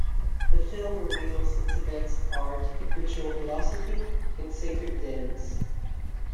The film reveals Tibet's art, ritual philosophy, and sacred dance.